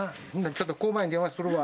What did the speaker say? ちょっと交番に電話するわ。